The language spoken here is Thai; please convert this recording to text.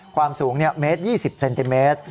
ความสูงเมตร๒๐เซนติเมตร